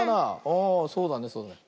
ああそうだねそうだね。